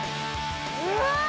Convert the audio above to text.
うわ！